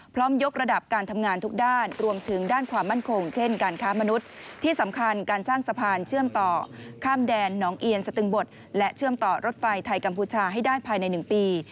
ยกระดับการทำงานทุกด้านรวมถึงด้านความมั่นคงเช่นการค้ามนุษย์ที่สำคัญการสร้างสะพานเชื่อมต่อข้ามแดนหนองเอียนสตึงบทและเชื่อมต่อรถไฟไทยกัมพูชาให้ได้ภายใน๑ปี